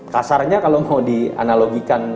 kasarnya kalau mau dianalogikan